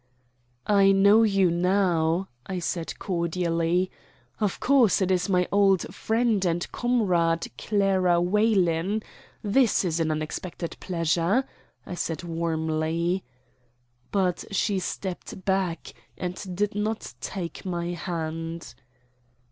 "I know you now," I said cordially. "Of course it is my old friend and comrade Clara Weylin. This is an unexpected pleasure," said I warmly. But she stepped back, and did not take my hand.